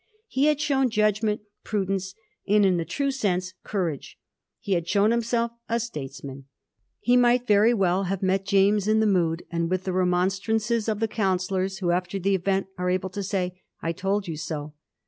He had shown judgment, prudence, and, in the true sense, courage. He had shown himself a statesman. He might very well have met James in the mood and with the re monstrances of the counsellors who, after the event, are able to say, ' I told you so.'